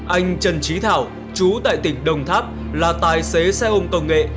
anh trần trí thảo chú tại tỉnh đồng tháp là tài xế xe ôm công nghệ